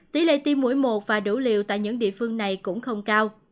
tỷ lệ tiêm mũi một và đủ liều tại những địa phương này cũng không cao